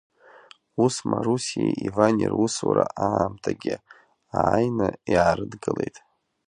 Ус Марусиеи Ивани русура аамҭагьы ааины иаарыдгылеит.